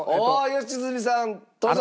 良純さんどうぞ。